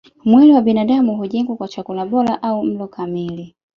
Mwili wa binadamu hujengwa kwa chakula bora au mlo kamili